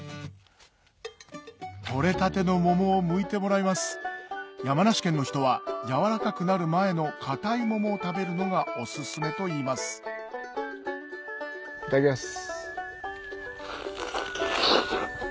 採れたての桃をむいてもらいます山梨県の人は軟らかくなる前の硬い桃を食べるのがオススメといいますいただきます。